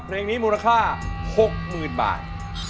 เพลงนี้มูลค่า๖๐๐๐บาท